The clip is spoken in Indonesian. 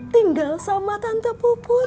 tinggal sama tante puput